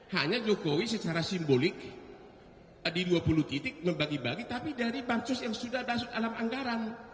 hanya jokowi secara simbolik di dua puluh titik membagi bagi tapi dari pansus yang sudah masuk dalam anggaran